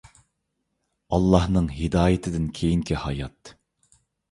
ئاللاھنىڭ ھىدايىتىدىن كېيىنكى ھايات